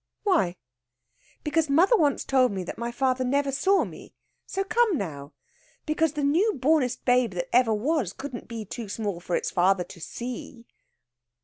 "Why?" "Because mother told me once that my father never saw me, so come now! Because the new bornest baby that ever was couldn't be too small for its father to see."